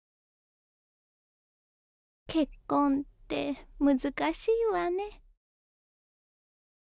結婚って難しいわね。